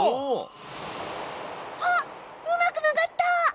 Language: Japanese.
あっうまく曲がった！